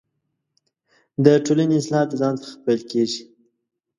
دټولنۍ اصلاح دځان څخه پیل کیږې